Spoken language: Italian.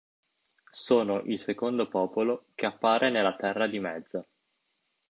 Sono il secondo popolo che appare nella Terra di Mezzo.